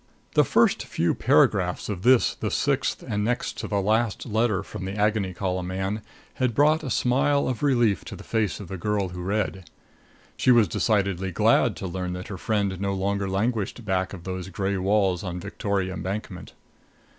The first few paragraphs of this the sixth and next to the last letter from the Agony Column man had brought a smile of relief to the face of the girl who read. She was decidedly glad to learn that her friend no longer languished back of those gray walls on Victoria Embankment.